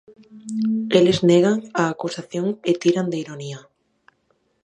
Eles negan a acusación e tiran de ironía.